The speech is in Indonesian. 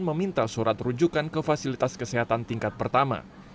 meminta surat rujukan ke fasilitas kesehatan tingkat pertama